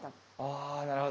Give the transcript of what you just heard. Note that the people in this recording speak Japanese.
あなるほど。